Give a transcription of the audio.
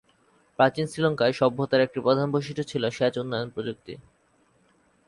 প্রাচীন শ্রীলংকায় সভ্যতার একটি প্রধান বৈশিষ্ট্য ছিল সেচ প্রযুক্তির উন্নয়ন।